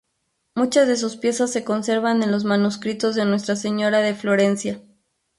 Muchas de sus piezas se conservan en los manuscritos de Nuestra Señora de Florencia.